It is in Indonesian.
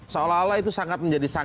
seolah olah itu sangat menjadi sangat